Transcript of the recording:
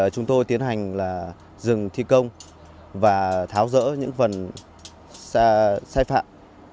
chúng tôi tiến hành là dừng thi công và tháo rỡ những phần sai phạm